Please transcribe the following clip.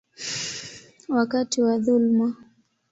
wakati wa dhuluma.